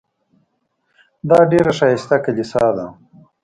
دا ډېره ښایسته کلیسا ده.